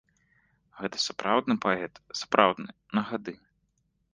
Гэта сапраўдны паэт, сапраўдны, на гады.